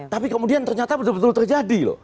tapi kemudian ternyata betul betul terjadi loh